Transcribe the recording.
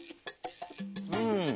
うん。